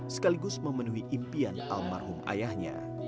sekaligus memenuhi impian almarhum ayahnya